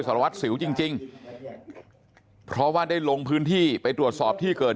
สารวัตรสิวจริงเพราะว่าได้ลงพื้นที่ไปตรวจสอบที่เกิด